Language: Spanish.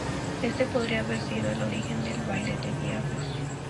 Este podría haber sido el origen del baile de diablos.